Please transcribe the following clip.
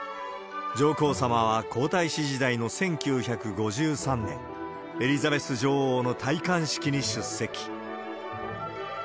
上皇さまは皇太子時代の１９５３年、エリザベス女王の戴冠式に出席。